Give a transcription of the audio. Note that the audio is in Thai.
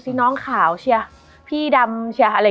มันทำให้ชีวิตผู้มันไปไม่รอด